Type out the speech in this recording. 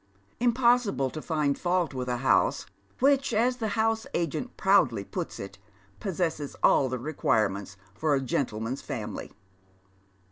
Impossible to find fault with a house which, as the house agent proudly puts it, possesses all the requirements for a gentleman's family